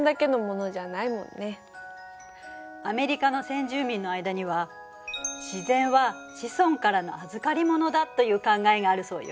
アメリカの先住民の間には自然は子孫からの預かり物だという考えがあるそうよ。